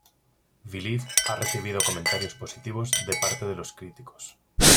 Believe ha recibido comentarios positivos de parte de los críticos.